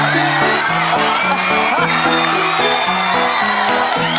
เริ่มครับ